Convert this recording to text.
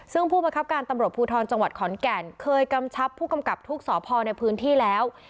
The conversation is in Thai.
ซึ่งผู้บังคับการตำรวจภูทรจังหวัดขอนแก่นเคยกำชับผู้กำกับทุกสพในพื้นที่แล้ว